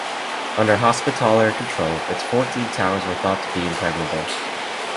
Under Hospitaller control, its fourteen towers were thought to be impregnable.